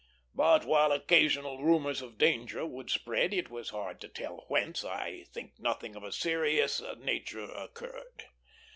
But while occasional rumors of danger would spread, it was hard to tell whence, I think nothing of a serious nature occurred.